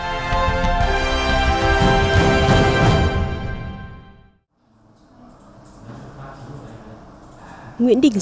nguyễn đình sơn là sinh viên khoa địa chất của nguyễn đình sơn